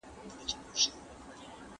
د دې مبارزې موخه د سياسي قدرت لاسته راوړل دي.